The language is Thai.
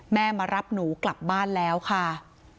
มารับหนูกลับบ้านแล้วค่ะ